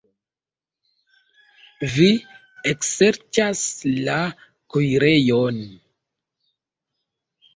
Vi ekserĉas la kuirejon.